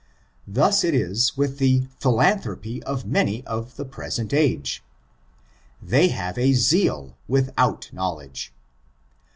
Thus is it with the philanthropy of many of the present age. They have a zeal without knowledge.